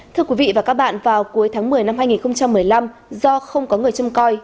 thưa quý vị và các bạn vào cuối tháng một mươi năm hai nghìn một mươi năm do không có người châm coi